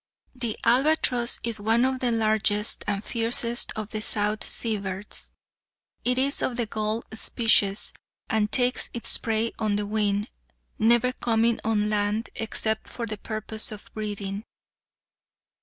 The albatross is one of the largest and fiercest of the South Sea birds. It is of the gull species, and takes its prey on the wing, never coming on land except for the purpose of breeding.